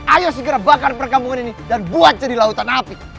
ayo segera bakar perkampungan ini dan buat jadi lautan api